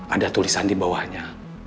ada tulisan di bawahnya